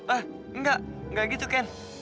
ah enggak enggak gitu ken